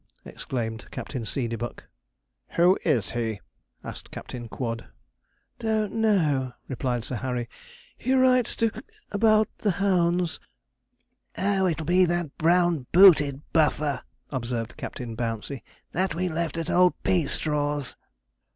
exclaimed Captain Seedeybuck. 'Who is he?' asked Captain Quod. 'Don't know,' replied Sir Harry; 'he writes to about the hounds.' 'Oh, it'll be that brown booted buffer,' observed Captain Bouncey, 'that we left at old Peastraw's.'